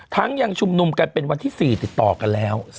ยังชุมนุมกันเป็นวันที่๔ติดต่อกันแล้ว